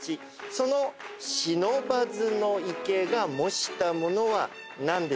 その不忍池が模したものは何でしょう？